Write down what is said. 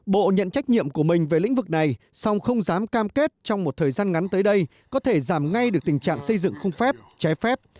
bộ nhận trách nhiệm của mình về lĩnh vực này song không dám cam kết trong một thời gian ngắn tới đây có thể giảm ngay được tình trạng xây dựng không phép trái phép